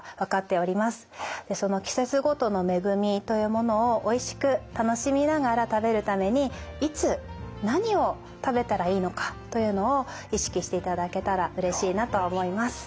その季節ごとの恵みというものをおいしく楽しみながら食べるためにいつ何を食べたらいいのかというのを意識していただけたらうれしいなと思います。